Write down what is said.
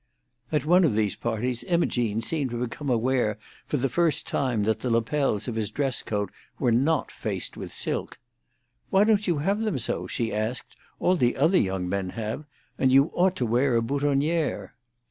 At one of the parties Imogene seemed to become aware for the first time that the lapels of his dress coat were not faced with silk. "Why don't you have them so?" she asked. "All the other young men have. And you ought to wear a boutonnière."